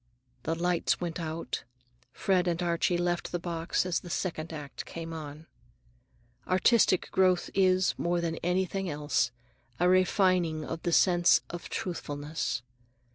The lights went out. Fred and Archie left the box as the second act came on. Artistic growth is, more than it is anything else, a refining of the sense of truthfulness.